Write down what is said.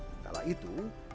setelah itu taman dibuat